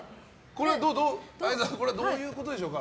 相田さんどういうことでしょうか？